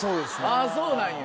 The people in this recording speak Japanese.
あっそうなんや。